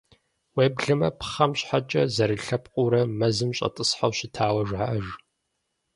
Уеблэмэ, пхъэм щхьэкӏэ зэрылъэпкъыурэ мэзым щӏэтӏысхьэу щытауэ жаӏэж.